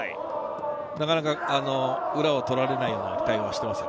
なかなか裏を取られない対応をしています。